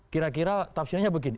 kira kira tafsirannya begini